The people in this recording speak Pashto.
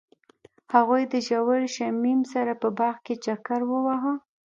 هغوی د ژور شمیم سره په باغ کې چکر وواهه.